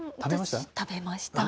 私、食べました。